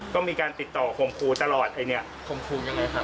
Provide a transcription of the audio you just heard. ก็มีการติดต่อคมครูตลอดไอ้เนี่ยคมครูยังไงครับ